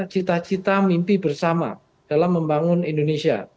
cita cita mimpi bersama dalam membangun indonesia